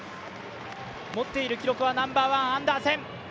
持っている記録はナンバーワン、アンダーセン。